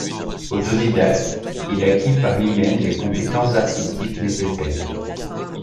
Autodidacte, il acquit par lui-même les compétences artistiques nécessaires.